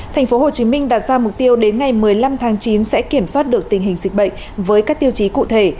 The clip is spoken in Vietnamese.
thành phố hồ chí minh đạt ra mục tiêu đến ngày một mươi năm tháng chín sẽ kiểm soát được tình hình dịch bệnh với các tiêu chí cụ thể